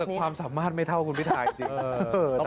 แต่ความสามารถไม่เท่าคุณพิทาจริง